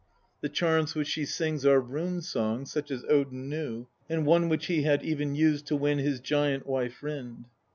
The charms which she sings are rune songs, such as Odin knew, and one which he had even used to win his giant wife Rind.